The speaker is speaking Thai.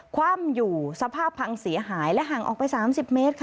คว่ำอยู่สภาพพังเสียหายและห่างออกไป๓๐เมตรค่ะ